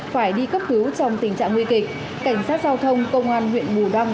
phải đi cấp cứu trong tình trạng nguy kịch cảnh sát giao thông công an huyện bù đăng